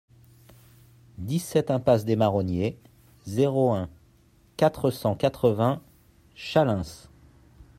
dix-sept impasse des Marronniers, zéro un, quatre cent quatre-vingts Chaleins